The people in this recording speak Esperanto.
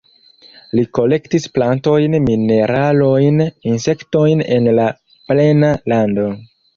Li kolektis plantojn, mineralojn, insektojn en la plena lando.